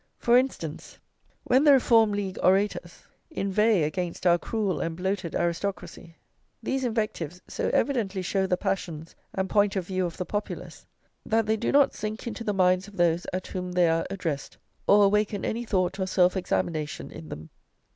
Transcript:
For instance, when the Reform League orators inveigh against our cruel and bloated aristocracy, these invectives so evidently show the passions and point of view of the Populace, that they do not sink into the minds of those at whom they are addressed, or awaken any thought or self examination in them.